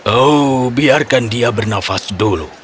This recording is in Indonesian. oh biarkan dia bernafas dulu